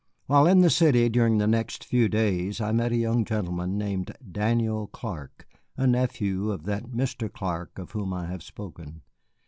While in the city during the next few days I met a young gentleman named Daniel Clark, a nephew of that Mr. Clark of whom I have spoken.